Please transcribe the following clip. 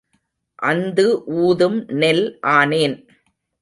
அந்து ஊதும் நெல் ஆனேன்.